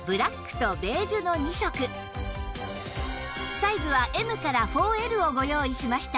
サイズは Ｍ から ４Ｌ をご用意しました